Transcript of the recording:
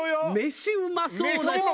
飯うまそうだしさ。